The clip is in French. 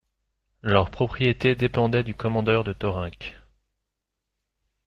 Leurs propriétés dépendaient du commandeur de Thorenc.